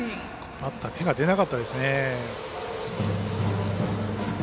バッター、手が出なかったですね。